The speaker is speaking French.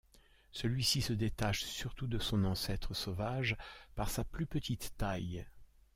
Celui-ci se détache surtout de son ancêtre sauvage par sa plus petite taille.